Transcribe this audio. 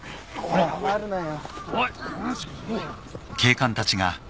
・触るなよ！